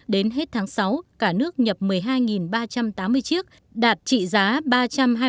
đến hết tháng sáu cả nước nhập một mươi hai chiếc ô tô tải tăng mạnh bốn mươi năm sáu về lượng và tăng hai mươi một bốn về giá trị so với tháng năm